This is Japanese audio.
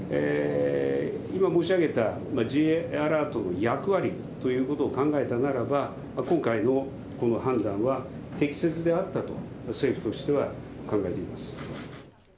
今申し上げたＪアラートの役割ということを考えたならば、今回のこの判断は適切であったと、政府としては考えています。